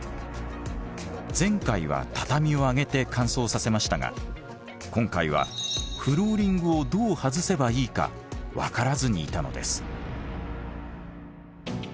前回は畳を上げて乾燥させましたが今回はフローリングをどう外せばいいか分からずにいたのです。